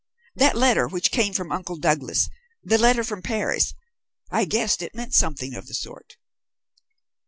That letter which came for Uncle Douglas the letter from Paris I guessed it meant something of the sort."